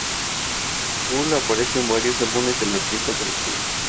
Cool aparece en varios álbumes de artistas del colectivo.